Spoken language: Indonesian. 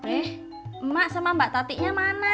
eh emak sama mbak tatiknya mana